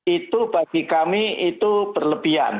itu bagi kami itu berlebihan